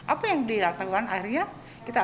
apa yang dilaksanakan akhirnya